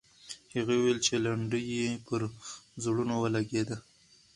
هغې وویل چې لنډۍ یې پر زړونو ولګېده.